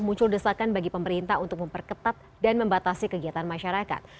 muncul desakan bagi pemerintah untuk memperketat dan membatasi kegiatan masyarakat